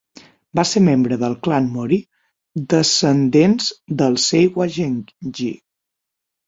Va ser membre del clan Mori, descendents dels Seiwa Genji.